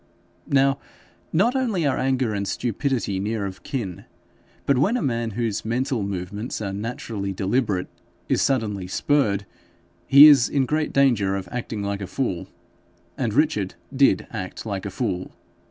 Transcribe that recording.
Now not only are anger and stupidity near of kin, but when a man whose mental movements are naturally deliberate, is suddenly spurred, he is in great danger of acting like a fool, and Richard did act like a fool.